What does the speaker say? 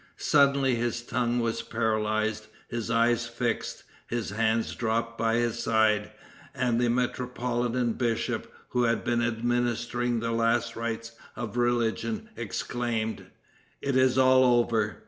Suddenly his tongue was paralyzed, his eyes fixed, his hands dropped by his side, and the metropolitan bishop, who had been administering the last rites of religion, exclaimed, "It is all over.